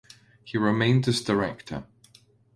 He remained as director.